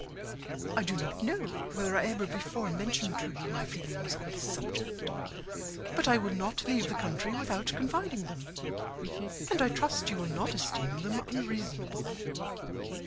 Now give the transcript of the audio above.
I do not know whether I ever before mentioned to you my feelings on this subject, but I will not leave the country without confiding them, and I trust you will not esteem them unreasonable.